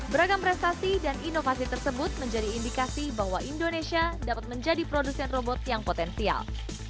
beragam prestasi dan inovasi tersebut menjadi indikasi bahwa indonesia dapat menjadi produsen robot yang potensial